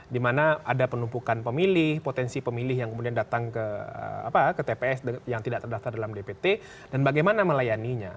di mana ada penumpukan pemilih potensi pemilih yang kemudian datang ke tps yang tidak terdaftar dalam dpt dan bagaimana melayaninya